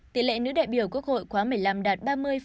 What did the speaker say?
tỷ lệ nữ đại biểu quốc hội quá một mươi năm đạt ba mươi hai